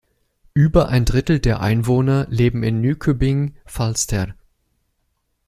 Über ein Drittel der Einwohner leben in Nykøbing Falster.